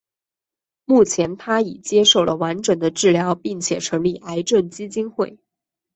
目前她已接受了完整的治疗并且成立癌症基金会。